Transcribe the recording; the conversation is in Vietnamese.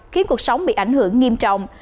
khiến cuộc sống bị ảnh hưởng nghiêm trọng